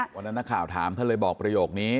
นักข่าวถามท่านเลยบอกประโยคนี้